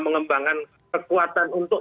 mengembangkan kekuatan untuk